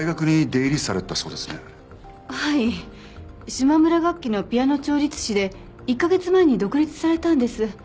島村楽器のピアノ調律師で１カ月前に独立されたんです。